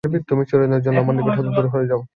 তুমি চিরদিনের জন্যে আমার নিকট হতে দূর হয়ে যাও!